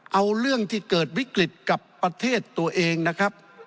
เอาเรื่องที่เกิดวิกฤตกับประเทศตัวเองนะครับ